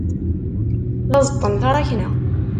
La ẓeṭṭen taṛakna.